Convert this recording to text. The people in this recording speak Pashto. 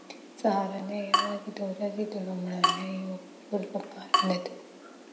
سهارنۍ یوازې د ورځې د لومړنیو خوړو لپاره نه ده.